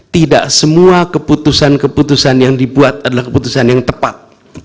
tidak semua keputusan keputusan yang dibuat adalah keputusan yang tepat